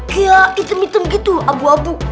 gila hitam hitam gitu abu abu